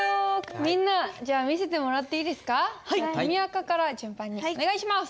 みんなじゃあ見せてもらっていいですか？とみあかから順番にお願いします。